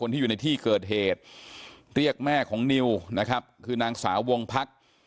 ที่อยู่ในที่เกิดเหตุเรียกแม่ของนิวนะครับคือนางสาววงพัก